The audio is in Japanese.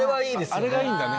あれがいいんだね。